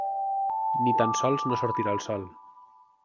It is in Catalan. Ni tan sols no sortirà el sol.